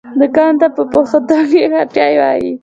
دوکان ته په پښتو کې هټۍ وايي